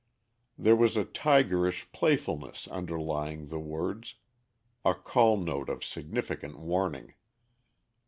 There was a tigerish playfulness underlying the words, a call note of significant warning.